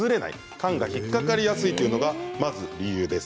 缶が引っ掛かりやすいというのがまず理由です。